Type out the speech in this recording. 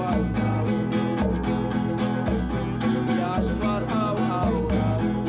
itu penting jatuh sepeta lezat itu